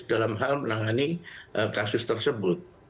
dalam hal menangani kasus tersebut